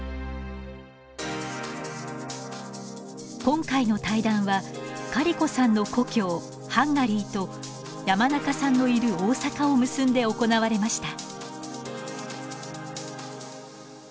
今回の対談はカリコさんの故郷ハンガリーと山中さんのいる大阪を結んで行われました。